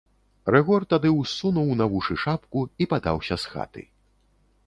Рыгор тады ўссунуў на вушы шапку і падаўся з хаты.